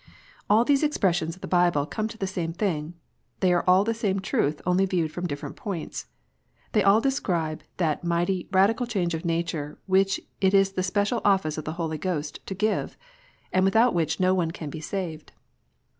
All these expressions of the Bible come to the same thing. They are all the same truth, only viewed from different points. They all describe that mighty, radical change of nature, which it is the special office of the Holy Ghost to give, and without which no one can be saved.